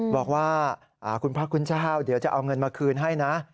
บอกว่าคุณพระคุณเจ้าเดี๋ยวจะเอาเงินมาคืนให้นะ